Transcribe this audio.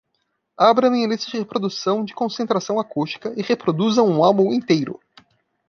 Abra minha lista de reprodução de concentração acústica e reproduza um álbum inteiro